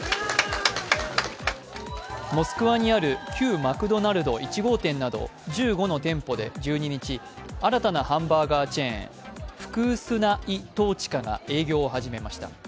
モスクワにある旧マクドナルド１号店など１５の店舗で１２日、新たなハンバーガーチェーン、フクースナ・イ・トーチカが営業を始めました。